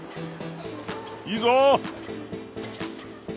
いいぞ！